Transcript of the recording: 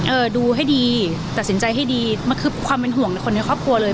ดูให้ดีตัดสินใจให้ดีมันคือความเป็นห่วงในคนในครอบครัวเลย